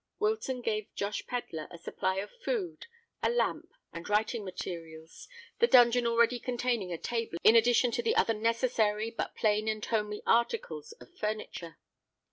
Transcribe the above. Wilton gave Josh Pedler a supply of food, a lamp, and writing materials, the dungeon already containing a table in addition to the other necessary but plain and homely articles of furniture.